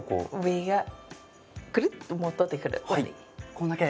これだけ？